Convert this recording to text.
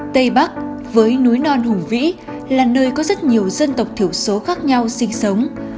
tây bắc với núi non hùng vĩ là nơi có rất nhiều dân tộc thiểu số khác nhau sinh sống